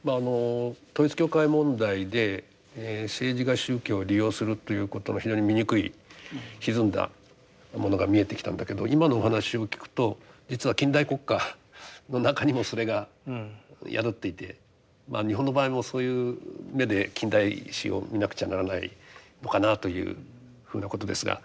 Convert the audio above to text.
統一教会問題で政治が宗教を利用するっていうことの非常に醜いひずんだものが見えてきたんだけど今のお話を聞くと実は近代国家の中にもそれが宿っていてまあ日本の場合もそういう目で近代史を見なくちゃならないのかなというふうなことですが。